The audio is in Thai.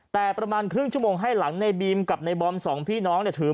แต่ประมาณครึ่งชั่วโมงให้หลังในบีมกับในบอมสองพี่น้องเนี่ยถือ